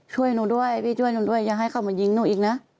ช่วยหนูด้วยพี่ช่วยหนูด้วยอย่าให้เขามายิงหนูอีกนะ